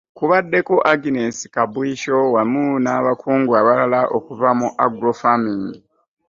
Kubaddeko Agnes Kabwiiso wamu n'abakugu abalala okuva mu Agro Farming.